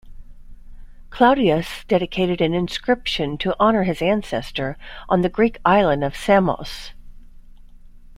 Claudius dedicated an inscription to honor his ancestor on the Greek island of Samos.